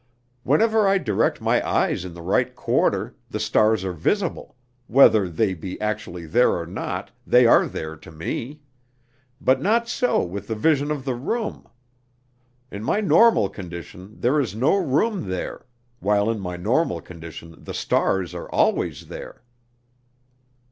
"Whenever I direct my eyes in the right quarter, the stars are visible; whether they be actually there or not, they are there to me; but not so with the vision of the room. In my normal condition there is no room there, while in my normal condition the stars are always there."